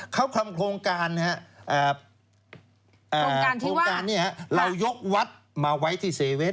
เขาทำโครงการโครงการนี้เรายกวัดมาไว้ที่๗๑๑